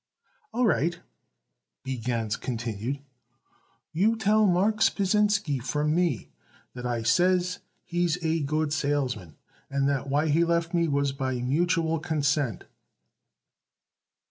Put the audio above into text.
"All right," B. Gans continued. "You tell Marks Pasinsky from me that I says he's a good salesman and that why he left me was by mutual consent."